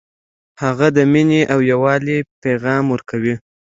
هغه د مینې او یووالي پیغام ورکوي